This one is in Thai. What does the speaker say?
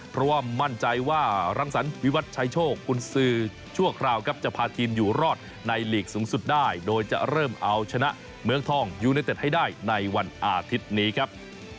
เพราะว่ามั่นใจว่ารังสรรวิวัตรชายโชคกุญสือชั่วคราวครับจะพาทีมอยู่รอดในหลีกสูงสุดได้โดยจะเริ่มเอาชนะเมืองทองยูเนเต็ดให้ได้ในวันอาทิตย์นี้ครับ